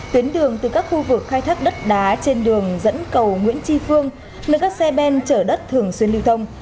tuyến đường từ các khu vực khai thác đất đá trên đường dẫn cầu nguyễn tri phương nơi các xe ben chở đất thường xuyên lưu thông